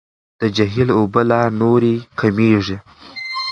د جهیل اوبه لا نورې کمیږي.